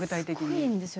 すごいんですよ。